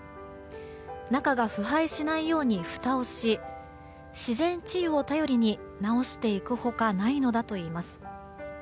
中が腐敗しないようにふたをし自然治癒を頼りに直していくほかないのだといいます。